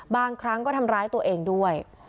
บางครั้งก็ทำร้ายตัวเองด้วย